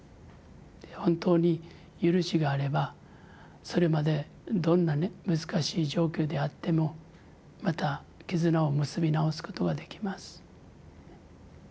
本当にゆるしがあればそれまでどんな難しい状況であってもまた絆を結び直すことができます。